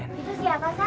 itu siapa sa